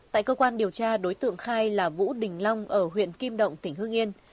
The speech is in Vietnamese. tại cơ quan điều tra đối tượng khai là vũ đình long ở huyện kim động tỉnh hương yên